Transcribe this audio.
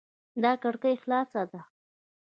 دا کړکي خلاصه ده